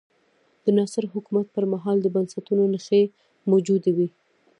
د ناصر حکومت پر مهال د بنسټونو نښې موجودې وې.